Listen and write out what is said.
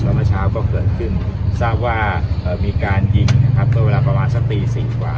เมื่อเช้าก็เกิดขึ้นทราบว่ามีการยิงนะครับเมื่อเวลาประมาณสักตี๔กว่า